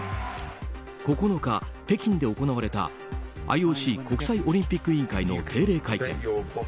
９日、北京で行われたＩＯＣ・国際オリンピック委員会の定例会見。